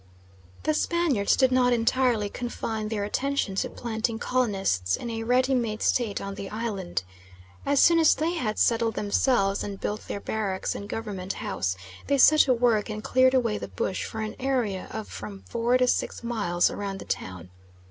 The Spaniards did not entirely confine their attention to planting colonists in a ready made state on the island. As soon as they had settled themselves and built their barracks and Government House, they set to work and cleared away the bush for an area of from four to six miles round the town.